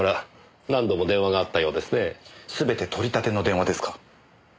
すべて取り立ての電話ですか？